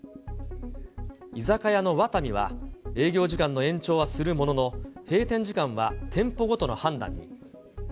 居酒屋のワタミは、営業時間の延長はするものの、閉店時間は店舗ごとの判断に。